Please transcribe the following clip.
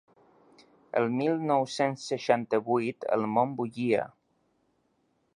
El mil nou-cents seixanta-vuit el món bullia.